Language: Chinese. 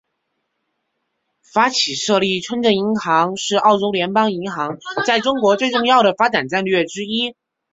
发起设立村镇银行是澳洲联邦银行在中国最重要的发展战略之一。